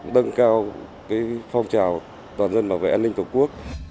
đâng cao phong trào